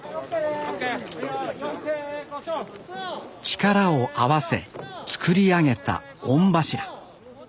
力を合わせ作り上げた御柱。